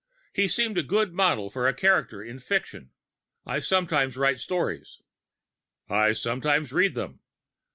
He seemed a good model for a character in fiction. I sometimes write stories." "I sometimes read them."